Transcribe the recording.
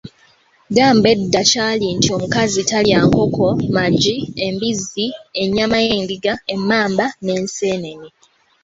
Gamba edda kyalinga nti omukazi talya nkoko, magi, embizzi, ennyama y’endiga, emmamba, n’enseenene.